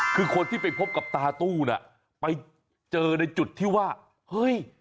คือคนที่ไปพบกับตาตู้น่ะไปเจอในจุดที่ว่าเฮ้ย